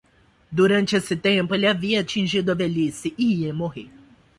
Durante esse tempo, ele havia atingido a velhice e ia morrer.